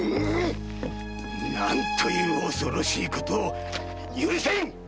なんという恐ろしい事を許せん。